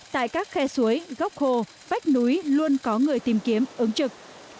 tại các khe suối gốc hồ vách núi luôn có người tìm kiếm ứng trực